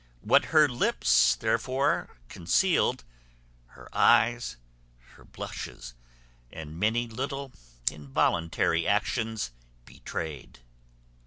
What her lips, therefore, concealed, her eyes, her blushes, and many little involuntary actions, betrayed.